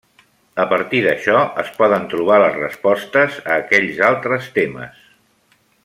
A partir d'això es poden trobar les respostes a aquells altres temes.